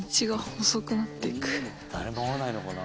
誰も会わないのかな。